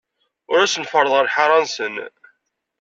Ur asen-ferrḍeɣ lḥaṛa-nsen.